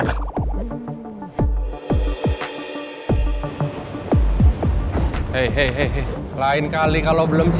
lhe lain kali kalau belum siap